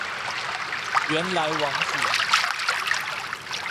原來網址